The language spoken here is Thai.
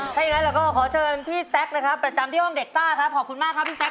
ถ้าอย่างนั้นเราก็ขอเชิญพี่แซคนะครับประจำที่ห้องเด็กซ่าครับขอบคุณมากครับพี่แก๊